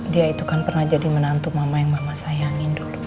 dia itu kan pernah jadi menantu mama yang mama sayangin dulu